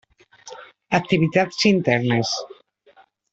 Activitats Internes: